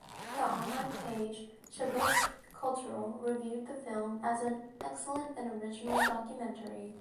The online page "Chubut Cultural" reviewed the film as an "excellent and original documentary".